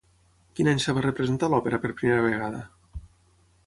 Quin any es va representar l'òpera per primera vegada?